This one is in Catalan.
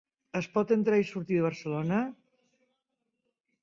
Es pot entrar i sortir de Barcelona?